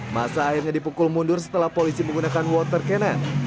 masa akhirnya dipukul mundur setelah polisi menggunakan water cannon